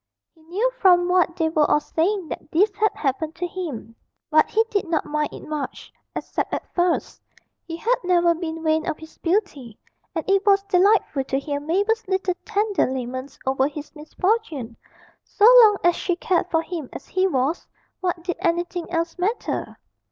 He knew from what they were all saying that this had happened to him, but he did not mind it much, except at first; he had never been vain of his beauty, and it was delightful to hear Mabel's little tender laments over his misfortune; so long as she cared for him as he was what did anything else matter?